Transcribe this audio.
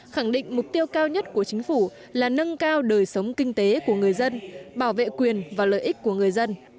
khẳng định mục tiêu cao nhất của chính phủ là nâng cao đời sống kinh tế của người dân bảo vệ quyền và lợi ích của người dân